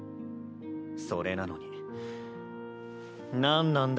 それなのに何なんだ？